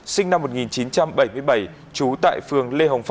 sinh năm một nghìn chín trăm bảy mươi bảy trú tại phường lê hồng phong tp hcm